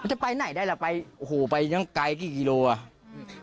จะไปไหนได้ล่ะไปโอ้โหไปยังไกลกี่กิโลอ่ะอืม